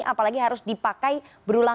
apalagi harus dipakai berulang